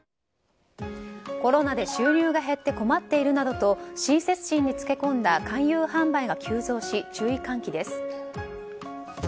コロナで収入が減って困っているなどと親切心につけこんだ勧誘販売が急増し、注意喚起です。